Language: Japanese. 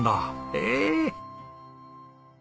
へえ。